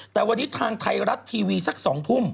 แต่วันนี้ทางไทยรัฐทีวีสัก๒ทุ่ม